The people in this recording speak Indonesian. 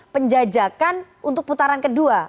penjajakan untuk putaran kedua